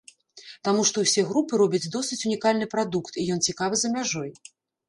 Таму што ўсе групы робяць досыць унікальны прадукт, і ён цікавы за мяжой.